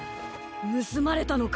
ぬすまれたのか？